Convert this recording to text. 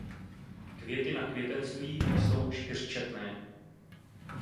Květy na květenství jsou čtyřčetné.